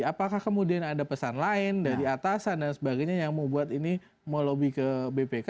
apakah kemudian ada pesan lain dari atasan dan sebagainya yang membuat ini melobi ke bpk